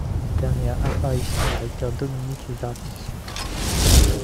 Dernière apparition de l'acteur Dominique Zardi.